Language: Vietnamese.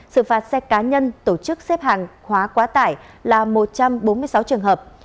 sự phạt xe cá nhân tổ chức xếp hàng hóa quá tải là một trăm bốn mươi sáu trường hợp